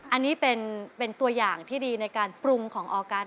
อันนี้เป็นตัวอย่างที่ดีในการปรุงของออกัส